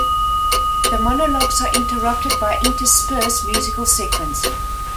The monologues are interrupted by interspersed musical segments.